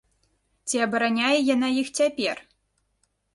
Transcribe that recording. Ці абараняе яна іх цяпер?